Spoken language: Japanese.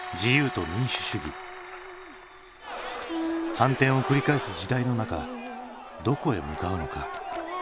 反転を繰り返す時代の中どこへ向かうのか？